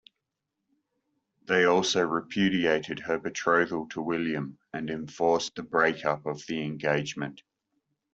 They also repudiated her betrothal to William and enforced the break-up of the engagement.